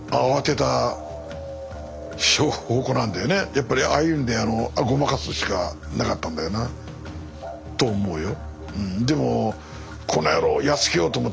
やっぱりああいうんでごまかすしかなかったんだよな。と思うよ。